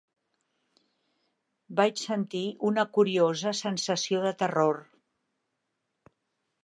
Vaig sentir una curiosa sensació de terror.